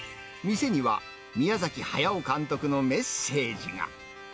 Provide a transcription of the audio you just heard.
店には宮崎駿監督のメッセージが。